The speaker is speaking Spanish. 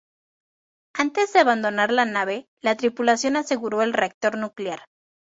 Antes de abandonar la nave la tripulación aseguró el reactor nuclear.